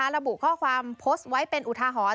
ระบุข้อความโพสต์ไว้เป็นอุทาหรณ์